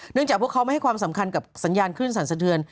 จากพวกเขาไม่ให้ความสำคัญกับสัญญาณขึ้นสั่นสะเทือน